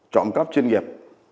chọn cấp chuyên nghiệp